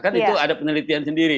kan itu ada penelitian sendiri